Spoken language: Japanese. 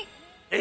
え！